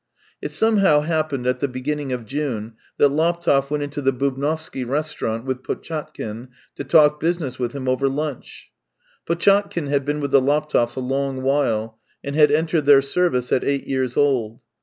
It somehow happened at the beginning of June that Laptev went into the Bubnovsky restaurant with Potchatkin to talk business with him over lunch. Potchatkin had been with the Laptevs a long while, and had entered their service at eight years old.